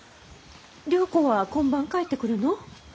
良子は今晩帰ってくるの？